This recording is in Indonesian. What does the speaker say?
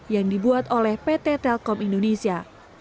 yang dibuat oleh pt telkom indonesia